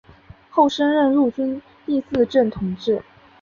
后升任陆军第四镇统制。